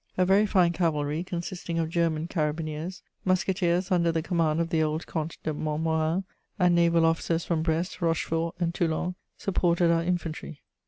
A very fine cavalry, consisting of German carabineers, musketeers under the command of the old Comte de Montmorin and naval officers from Brest, Rochefort, and Toulon, supported our infantry.